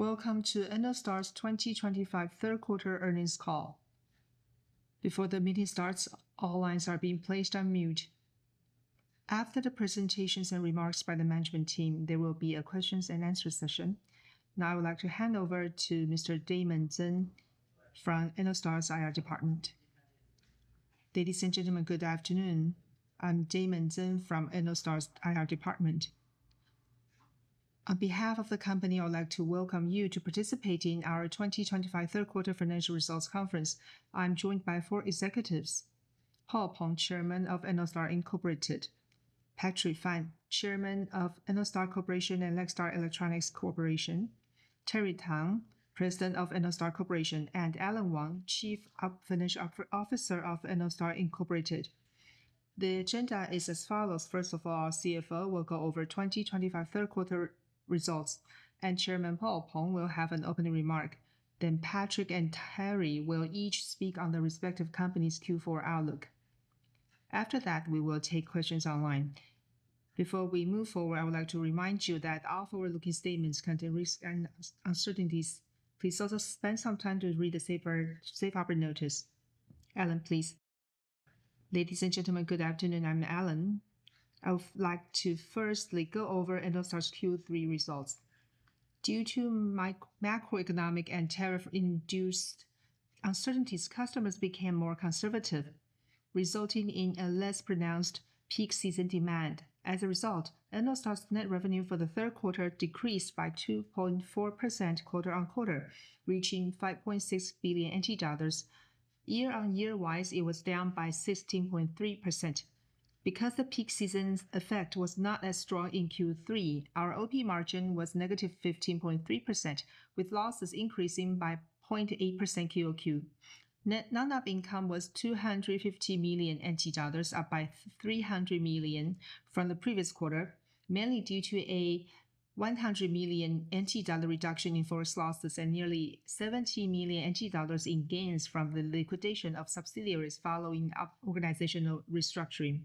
Welcome to Ennostar's 2025 third quarter earnings call. Before the meeting starts, all lines are being placed on mute. After the presentations and remarks by the management team, there will be a questions and answers session. Now I would like to hand over to Mr. Damon Tzeng from Ennostar's IR department. Ladies and gentlemen, good afternoon. I'm Damon Tzeng from Ennostar's IR department. On behalf of the company, I would like to welcome you to participate in our 2025 third quarter financial results conference. I'm joined by four executives: Paul Peng, Chairman of Ennostar Incorporated; Patrick Fan, Chairman of Ennostar Corporation and Lextar Electronics Corporation; Terry Tang, President of Ennostar Corporation; and Alan Wang, Chief Financial Officer of Ennostar Incorporated. The agenda is as follows. First of all, our CFO will go over 2025 third quarter results, and Chairman Paul Peng will have an opening remark. Patrick and Terry will each speak on the respective company's Q4 outlook. After that, we will take questions online. Before we move forward, I would like to remind you that all forward-looking statements contain risks and uncertainties. Please also spend some time to read the safe operating notice. Alan, please. Ladies and gentlemen, good afternoon. I'm Alan. I would like to firstly go over Ennostar's Q3 results. Due to macroeconomic and tariff-induced uncertainties, customers became more conservative, resulting in a less pronounced peak season demand. As a result, Ennostar's net revenue for the third quarter decreased by 2.4% quarter-on-quarter, reaching $5.6 billion. Year-on-year wise, it was down by 16.3%. Because the peak season's effect was not as strong in Q3, our OP margin was negative 15.3%, with losses increasing by 0.8% QoQ. Net non-op income was $250 million, up by $300 million from the previous quarter, mainly due to a $100 million reduction in forest losses and nearly $70 million in gains from the liquidation of subsidiaries following organizational restructuring.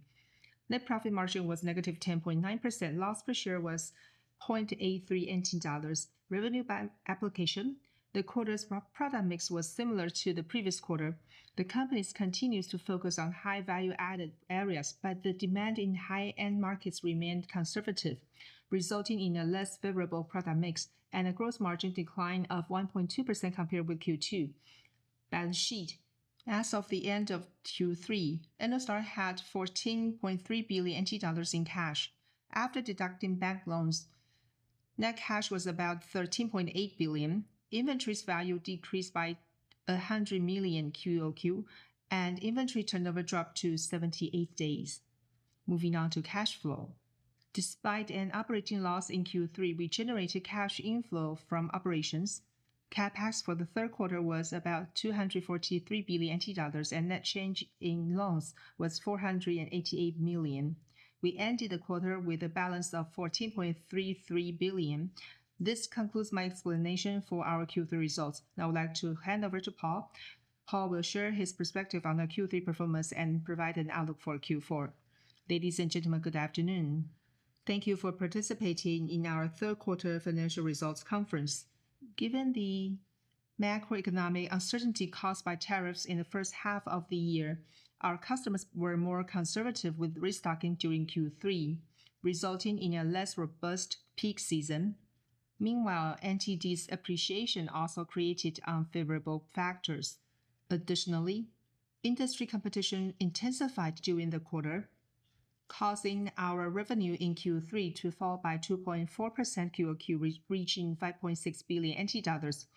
Net profit margin was negative 10.9%. Loss per share was $0.83. Revenue by application, the quarter's product mix was similar to the previous quarter. The company continues to focus on high value-added areas, but the demand in high-end markets remained conservative, resulting in a less favorable product mix and a gross margin decline of 1.2% compared with Q2. As of the end of Q3, Ennostar had 14.3 billion dollars in cash. After deducting bank loans, net cash was about 13.8 billion. Inventory's value decreased by 100 million QoQ, and inventory turnover dropped to 78 days. Moving on to cash flow. Despite an operating loss in Q3, we generated cash inflow from operations. CapEx for the third quarter was about 243 million dollars, and net change in loans was 488 million. We ended the quarter with a balance of 14.33 billion. This concludes my explanation for our Q3 results. Now I would like to hand over to Paul. Paul will share his perspective on our Q3 performance and provide an outlook for Q4. Ladies and gentlemen, good afternoon. Thank you for participating in our third quarter financial results conference. Given the macroeconomic uncertainty caused by tariffs in the first half of the year, our customers were more conservative with restocking during Q3, resulting in a less robust peak season. Meanwhile, NTDs appreciation also created unfavorable factors. Additionally, industry competition intensified during the quarter, causing our revenue in Q3 to fall by 2.4% QoQ, reaching 5.6 billion NT dollars.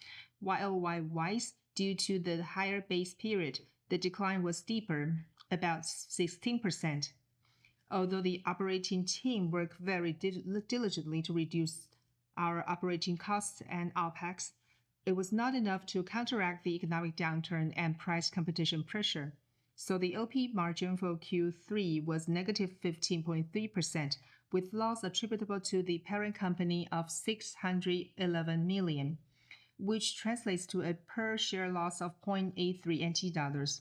While wise due to the higher base period, the decline was deeper, about 16%. Although the operating team worked very diligently to reduce our operating costs and OpEx, it was not enough to counteract the economic downturn and price competition pressure. The OP margin for Q3 was -15.3%, with loss attributable to the parent company of 611 million, which translates to a per share loss of 0.83 NT dollars.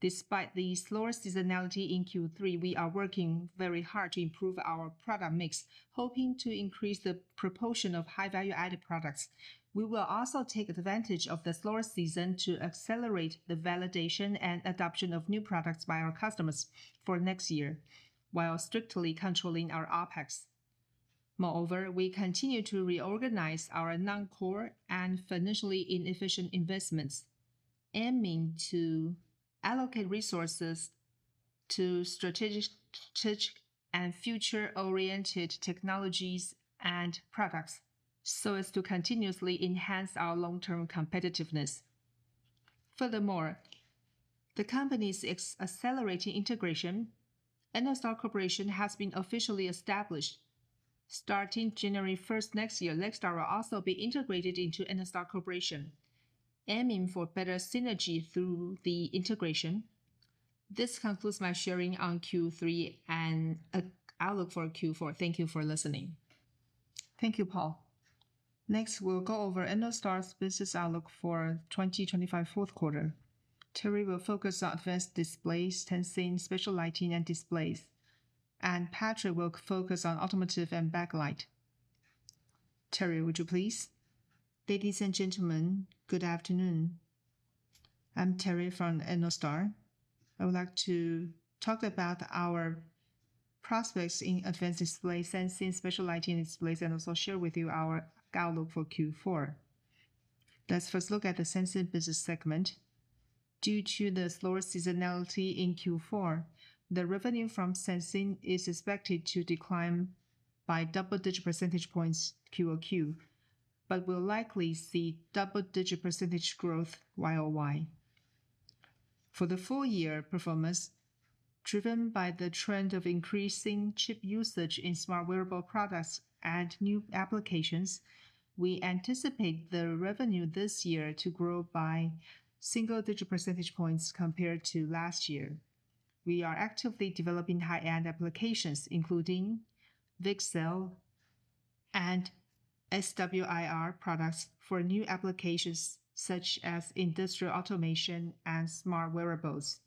Despite the slower seasonality in Q3, we are working very hard to improve our product mix, hoping to increase the proportion of high value-added products. We will also take advantage of the slower season to accelerate the validation and adoption of new products by our customers for next year, while strictly controlling our OpEx. Moreover, we continue to reorganize our non-core and financially inefficient investments, aiming to allocate resources to strategic and future-oriented technologies and products so as to continuously enhance our long-term competitiveness. Furthermore, the company's accelerating integration, Ennostar Corporation has been officially established. Starting January 1st next year, Lextar will also be integrated into Ennostar Corporation, aiming for better synergy through the integration. This concludes my sharing on Q3 and outlook for Q4. Thank you for listening. Thank you, Paul. Next, we'll go over Ennostar's business outlook for 2025 fourth quarter. Terry will focus on advanced displays, tensing, special lighting, and displays. Patrick will focus on automotive and backlight. Terry, would you please? Ladies and gentlemen, good afternoon. I'm Terry from Ennostar. I would like to talk about our prospects in advanced displays, tensing, special lighting, and displays, and also share with you our outlook for Q4. Let's first look at the tensing business segment. Due to the slower seasonality in Q4, the revenue from tensing is expected to decline by double-digit percentage points QoQ, but we'll likely see double-digit percentage growth YoY. For the full-year performance, driven by the trend of increasing chip usage in smart wearable products and new applications, we anticipate the revenue this year to grow by single-digit percentage points compared to last year. We are actively developing high-end applications, including VCSEL and SWIR products for new applications such as industrial automation and smart wearables.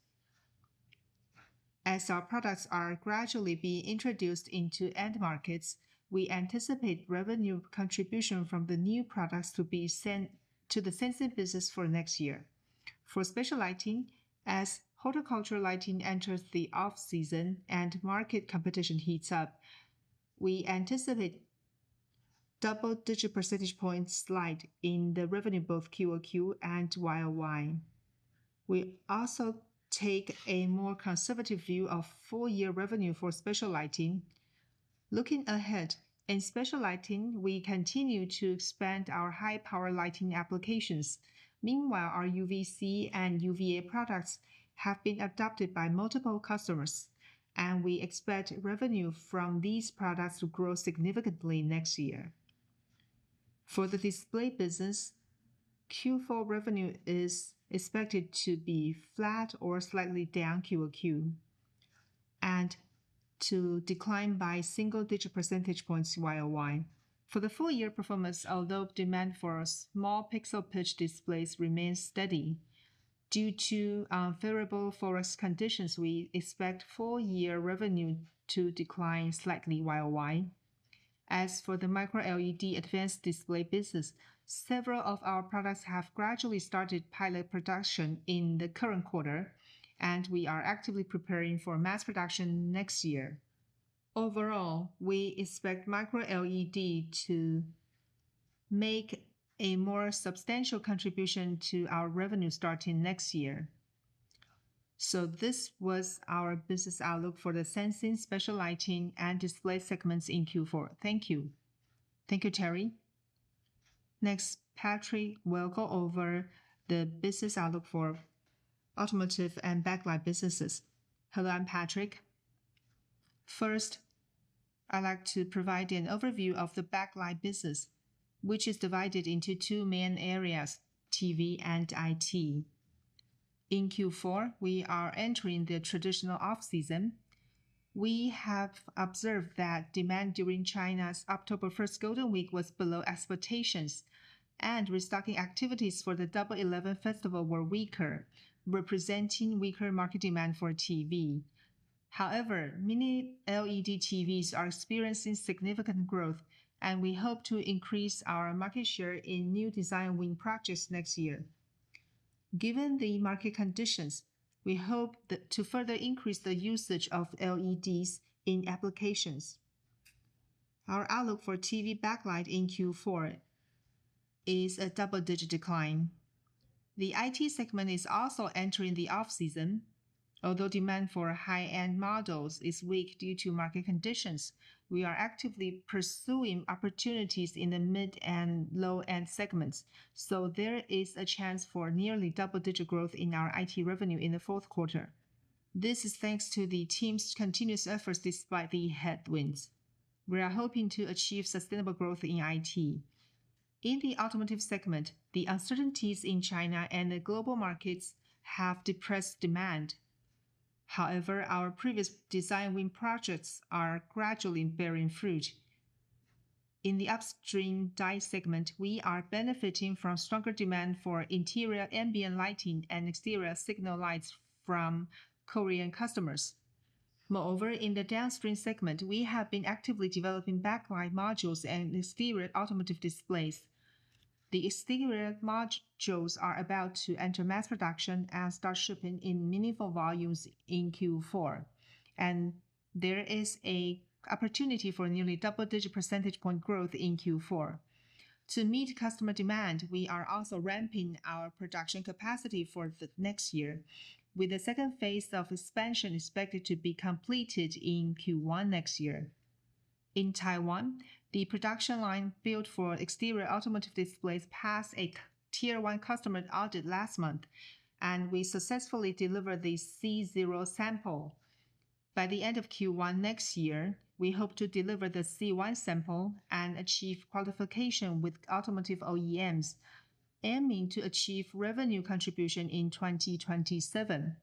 As our products are gradually being introduced into end markets, we anticipate revenue contribution from the new products to be sent to the tensing business for next year. For special lighting, as horticulture lighting enters the off-season and market competition heats up, we anticipate double-digit percentage points slide in the revenue both QoQ and YoY. We also take a more conservative view of full-year revenue for special lighting. Looking ahead in special lighting, we continue to expand our high-power lighting applications. Meanwhile, our UVC and UVA products have been adopted by multiple customers, and we expect revenue from these products to grow significantly next year. For the display business, Q4 revenue is expected to be flat or slightly down QoQ and to decline by single-digit percentage points YoY. For the full-year performance, although demand for small pixel pitch displays remains steady due to unfavorable forest conditions, we expect full-year revenue to decline slightly YoY. As for the micro-LED advanced display business, several of our products have gradually started pilot production in the current quarter, and we are actively preparing for mass production next year. Overall, we expect micro-LED to make a more substantial contribution to our revenue starting next year. This was our business outlook for the tensing, special lighting, and display segments in Q4. Thank you. Thank you, Terry. Next, Patrick will go over the business outlook for automotive and backlight businesses. Hello, I'm Patrick. First, I'd like to provide an overview of the backlight business, which is divided into two main areas: TV and IT. In Q4, we are entering the traditional off-season. We have observed that demand during China's October 1st Golden Week was below expectations, and restocking activities for the Double 11 Festival were weaker, representing weaker market demand for TV. However, many LED TVs are experiencing significant growth, and we hope to increase our market share in new design wing projects next year. Given the market conditions, we hope to further increase the usage of LEDs in applications. Our outlook for TV backlight in Q4 is a double-digit decline. The IT segment is also entering the off-season. Although demand for high-end models is weak due to market conditions, we are actively pursuing opportunities in the mid and low-end segments, so there is a chance for nearly double-digit growth in our IT revenue in the fourth quarter. This is thanks to the team's continuous efforts despite the headwinds. We are hoping to achieve sustainable growth in IT. In the automotive segment, the uncertainties in China and the global markets have depressed demand. However, our previous design win projects are gradually bearing fruit. In the upstream die segment, we are benefiting from stronger demand for interior ambient lighting and exterior signal lights from Korean customers. Moreover, in the downstream segment, we have been actively developing backlight modules and exterior automotive displays. The exterior modules are about to enter mass production and start shipping in meaningful volumes in Q4, and there is an opportunity for nearly double-digit percentage point growth in Q4. To meet customer demand, we are also ramping our production capacity for the next year, with the second phase of expansion expected to be completed in Q1 next year. In Taiwan, the production line built for exterior automotive displays passed a tier-one customer audit last month, and we successfully delivered the C0 sample. By the end of Q1 next year, we hope to deliver the C1 sample and achieve qualification with automotive OEMs, aiming to achieve revenue contribution in 2027.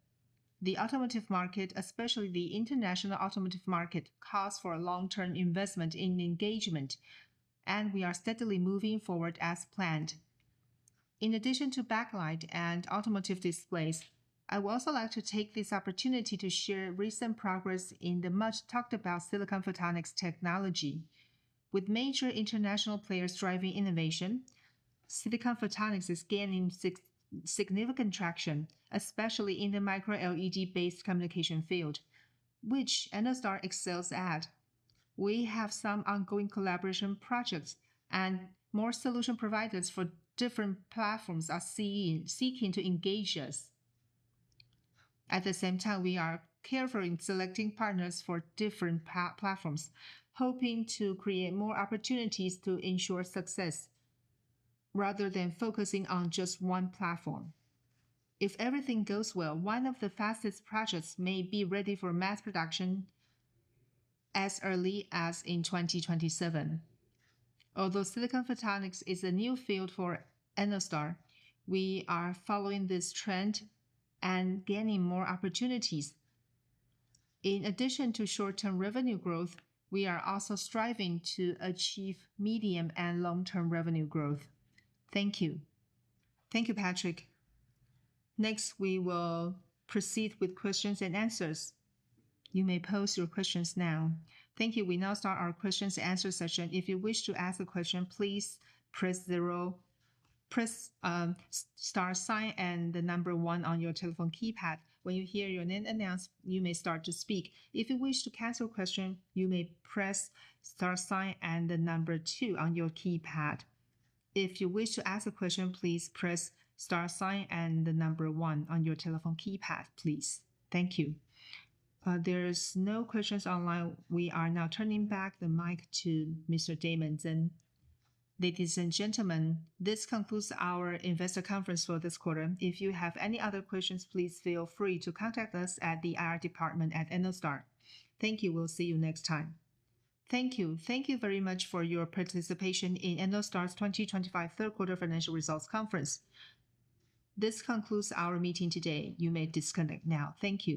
The automotive market, especially the international automotive market, calls for long-term investment in engagement, and we are steadily moving forward as planned. In addition to backlight and automotive displays, I would also like to take this opportunity to share recent progress in the much talked-about silicon photonics technology. With major international players driving innovation, silicon photonics is gaining significant traction, especially in the micro-LED-based communication field, which Ennostar excels at. We have some ongoing collaboration projects, and more solution providers for different platforms are seeking to engage us. At the same time, we are careful in selecting partners for different platforms, hoping to create more opportunities to ensure success rather than focusing on just one platform. If everything goes well, one of the fastest projects may be ready for mass production as early as in 2027. Although silicon photonics is a new field for Ennostar, we are following this trend and gaining more opportunities. In addition to short-term revenue growth, we are also striving to achieve medium and long-term revenue growth. Thank you. Thank you, Patrick. Next, we will proceed with questions and answers. You may post your questions now. Thank you. We now start our questions and answer session. If you wish to ask a question, please press the star sign and the number one on your telephone keypad. When you hear your name announced, you may start to speak. If you wish to cancel a question, you may press star sign and the number two on your keypad. If you wish to ask a question, please press star sign and the number one on your telephone keypad, please. Thank you. There are no questions online. We are now turning back the mic to Mr. Damon Tzeng. Ladies and gentlemen, this concludes our investor conference for this quarter. If you have any other questions, please feel free to contact us at the IR department at Ennostar. Thank you. We'll see you next time. Thank you. Thank you very much for your participation in Ennostar's 2025 third quarter financial results conference. This concludes our meeting today. You may disconnect now. Thank you.